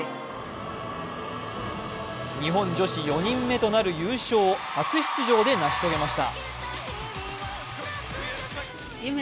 日本女子４人目となる優勝を初出場で成し遂げました。